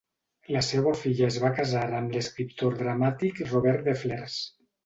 La seua filla es va casar amb l'escriptor dramàtic Robert de Flers.